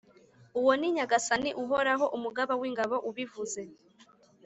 Uwo ni Nyagasani Uhoraho, Umugaba w’ingabo, ubivuze.